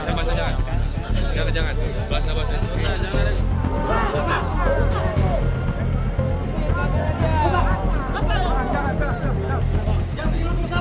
jangan jangan jangan